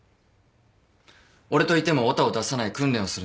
俺といてもヲタを出さない訓練をするんだ。